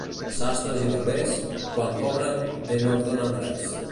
Sastres i barbers, quan cobren bé no els donen res.